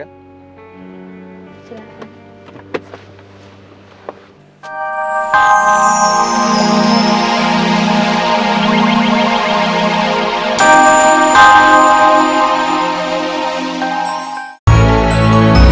udah boleh kan